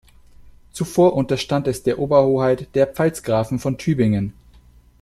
Zuvor unterstand es der Oberhoheit der Pfalzgrafen von Tübingen.